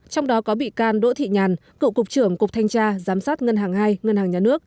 trong đó có bị can đỗ thị nhàn cựu cục trưởng cục thanh tra giám sát ngân hàng hai ngân hàng nhà nước